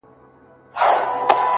• اوس چي هر مُلا ته وایم خپل خوبونه ,